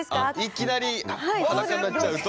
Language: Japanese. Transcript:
いきなり裸になっちゃうと？